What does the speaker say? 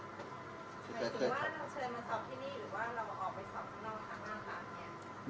หมายถึงว่าเราเชิญมาสอบที่นี่หรือว่าเราออกไปสอบข้างนอกไหมคะ